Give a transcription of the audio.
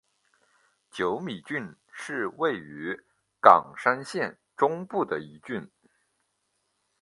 久米郡是位于冈山县中部的一郡。